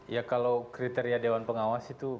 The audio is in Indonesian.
ya kalau kriteria dewan pengawas itu